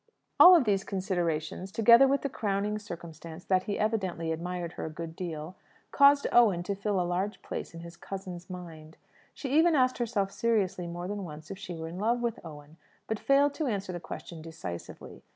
All these considerations, together with the crowning circumstance that he evidently admired her a good deal, caused Owen to fill a large place in his cousin's mind. She even asked herself seriously more than once if she were in love with Owen, but failed to answer the question decisively.